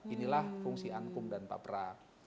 inilah fungsi ankum dan papera